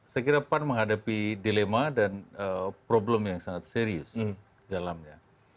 saya kira pan menghadapi dilema dan problem yang sangat serius dalamnya